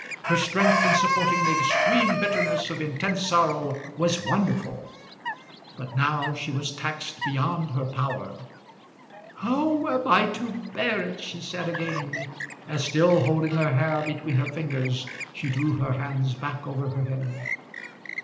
Her strength in supporting the extreme bitterness of intense sorrow was wonderful. But now she was taxed beyond her power. "How am I to bear it?" she said again, as still holding her hair between her fingers, she drew her hands back over her head.